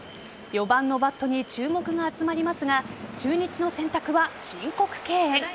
４番のバットに注目が集まりますが中日の選択は申告敬遠。